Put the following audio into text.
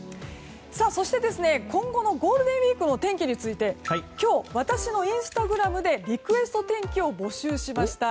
そして、今後のゴールデンウィークの天気について今日、私のインスタグラムでリクエスト天気を募集しました。